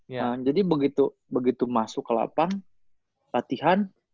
nah jadi begitu masuk ke lapang latihan